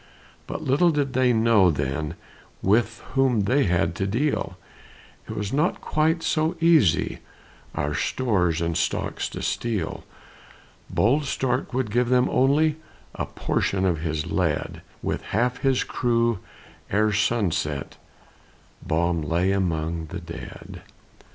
But little did they know then With whom they had to deal; It was not quite so easy Our stores and stocks to steal, Bold Stark would give them only A portion of his lead; With half his crew, ere sunset, Baum lay among the dead.